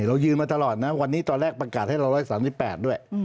เรายืนมาตลอดนะวันนี้ตอนแรกประกาศให้๑๓๘ด้วย